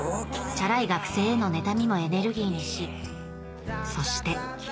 チャラい学生への妬みもエネルギーにしそして